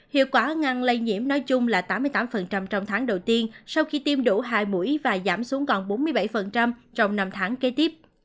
hiệu quả ngăn lây nhiễm nói chung là tám mươi tám trong tháng đầu tiên sau khi tiêm đủ hai mũi và giảm xuống còn bốn mươi bảy trong năm tháng kế tiếp